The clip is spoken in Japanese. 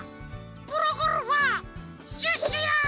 プロゴルファーシュッシュや！